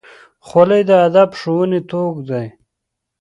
خولۍ د ادب ښوونې توک دی.